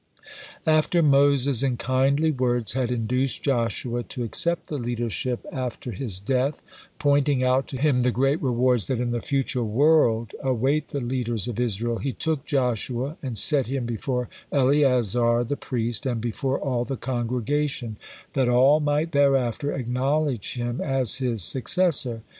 '" After Moses in kindly words had induced Joshua to accept the leadership after his death, pointing out to him the great rewards that in the future world await the leaders of Israel, 'he took Joshua, and set him before Eleazar the priest, and before all the congregation,' that all might thereafter acknowledge him as his successor.